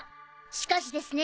しかしですね